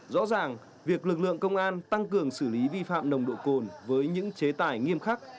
rõ ràng việc lực lượng công an tăng cường xử lý vi phạm nồng độ cồn với những chế tài nghiêm khắc